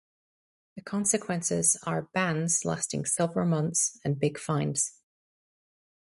The consequences are bans lasting several months and big fines.